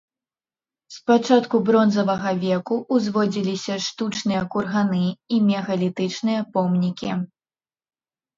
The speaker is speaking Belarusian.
З пачатку бронзавага веку ўзводзіліся штучныя курганы і мегалітычныя помнікі.